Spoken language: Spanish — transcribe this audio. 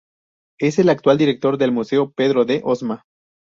Es el actual director del Museo Pedro de Osma.